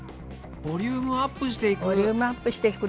ボリュームアップしていく。